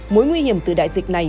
mối nguy hiểm từ đại dịch này